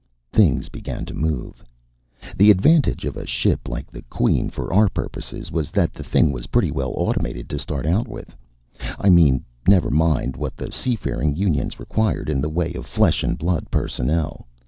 Things began to move. The advantage of a ship like the Queen, for our purposes, was that the thing was pretty well automated to start out with. I mean never mind what the seafaring unions required in the way of flesh and blood personnel.